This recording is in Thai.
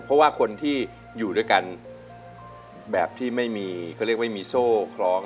เขาเรียกว่าไม่มีโซ่คล้อง